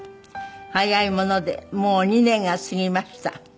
「早いものでもう２年が過ぎました」